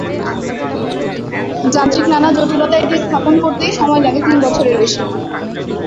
যান্ত্রিক নানা জটিলতায় এটি স্থাপন করতেই সময় লাগে তিন বছরের বেশি।